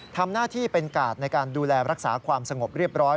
ทำหน้าที่เป็นกาดในการดูแลรักษาความสงบเรียบร้อย